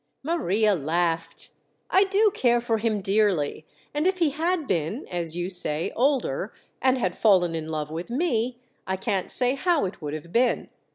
Maria laughed. "I do care for him dearly; and if he had been, as you say, older and had fallen in love with me, I can't say how it would have been.